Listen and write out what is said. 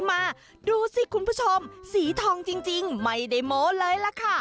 มาดูสิคุณผู้ชมสีทองจริงไม่ได้โม้เลยล่ะค่ะ